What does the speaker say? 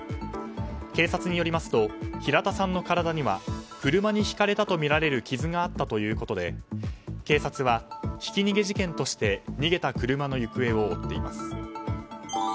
警察によりますと平田さんの体には車にひかれたとみられる傷があったということで警察はひき逃げ事件として逃げた車の行方を追っています。